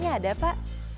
icahnya ada pak